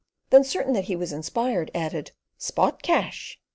Then, certain that he was inspired, added, "Spot Cash!"